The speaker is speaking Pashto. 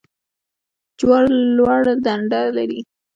جوار لوړ ډنډر لري